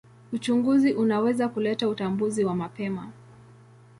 Uchunguzi unaweza kuleta utambuzi wa mapema.